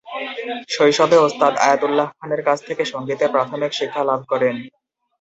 শৈশবে ওস্তাদ আয়াতুল্লাহ খানের কাছ থেকে সঙ্গীতের প্রাথমিক শিক্ষা লাভ করেন।